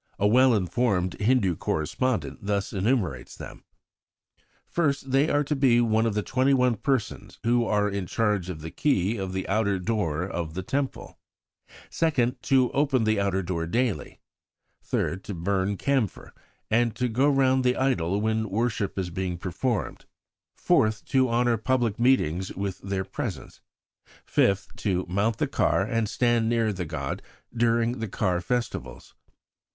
A well informed Hindu correspondent thus enumerates them: "First they are to be one of the twenty one persons who are in charge of the key of the outer door of the Temple; second, to open the outer door daily; third, to burn camphor, and go round the idol when worship is being performed; fourth, to honour public meetings with their presence; fifth, to mount the car and stand near the god during car festivals."